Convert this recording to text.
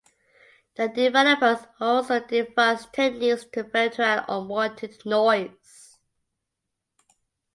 The developers also devised techniques to filter out unwanted "noise".